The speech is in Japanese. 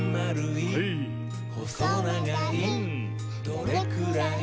「どれくらい？